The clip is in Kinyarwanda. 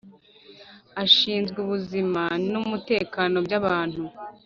Ashinzwe ubuzima n’umutekano by’abantu